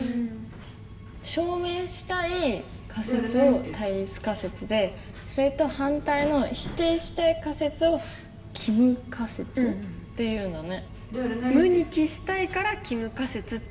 証明したい仮説を対立仮説でそれと反対の否定したい仮説を帰無仮説って言うんだね。